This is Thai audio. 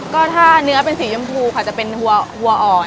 ก็ถ้าเนื้อเป็นสีชมพูค่ะจะเป็นหัวอ่อน